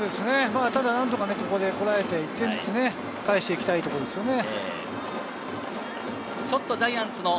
何とかここでこらえて、１点ずつ返していきたいところですよね。